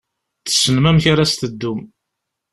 Tessnem amek ara s-teddum.